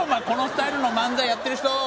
このスタイルの漫才やってる人！